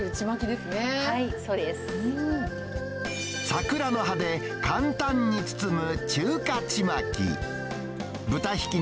桜の葉で簡単に包む中華ちまき。